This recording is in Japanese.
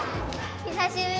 久しぶり！